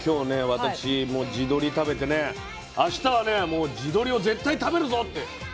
私もう地鶏食べてねあしたはねもう地鶏を絶対食べるぞって決めましたよ。